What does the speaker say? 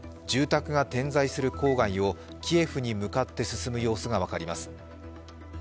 住宅が点在する郊外をキエフに向かって進む様子が分かります。